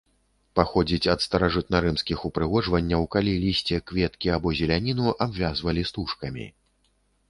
Паходзіць ад старажытнарымскіх упрыгожванняў, калі лісце, кветкі або зеляніну абвязвалі стужкамі.